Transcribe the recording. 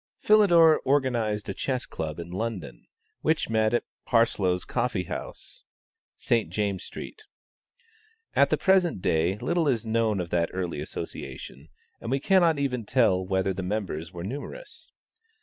Philidor organized a chess club in London, which met at Parsloe's Coffee House, St. James street. At the present day little is known of that early association, and we cannot even tell whether the members were numerous.